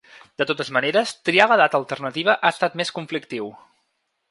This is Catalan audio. De totes maneres, triar la data alternativa ha estat més conflictiu.